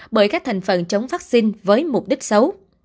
bởi các thành phần chống vaccine với mục đích xấu